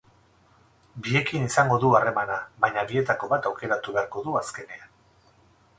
Biekin izango du harremana, baina bietako bat aukeratu beharko du azkenean.